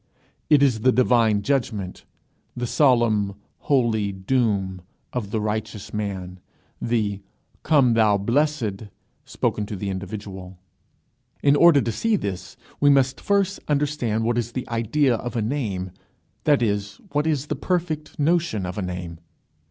It is the divine judgment, the solemn holy doom of the righteous man, the "Come, thou blessed," spoken to the individual. In order to see this, we must first understand what is the idea of a name, that is, what is the perfect notion of a name.